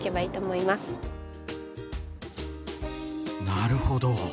なるほど！